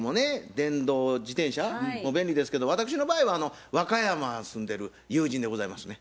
電動自転車も便利ですけど私の場合は和歌山住んでる友人でございますね。